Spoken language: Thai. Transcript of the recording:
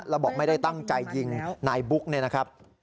แล้วบอกไม่ได้ตั้งใจยิงนายบุ๊กเนี่ยนะครับ